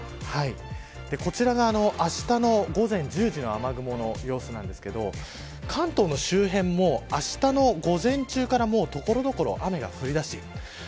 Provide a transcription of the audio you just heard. こちらがあしたの午前１０時の雨雲の様子なんですけれども関東の周辺もあしたの午前中から所々、雨が降りだしている。